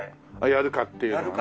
やるかっていうのをね。